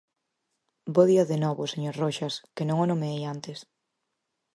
Bo día de novo, señor Roxas, que non o nomeei antes.